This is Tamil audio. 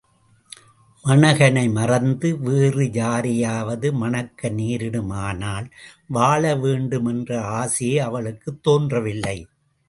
மாணகனை மறந்து, வேற யாரையாவது மணக்க நேரிடுமானால், வாழவேண்டும் என்ற ஆசையே அவளுக்குத் தோன்றவில்லை.